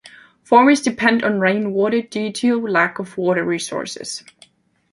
Farmers depend on rain water due to lack of water resources.